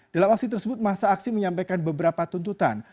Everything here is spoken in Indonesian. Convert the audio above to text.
dalam aksi tersebut masa aksi menyampaikan beberapa tuntutan